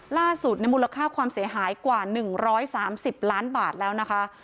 มูลค่าความเสียหายกว่า๑๓๐ล้านบาทแล้วนะคะ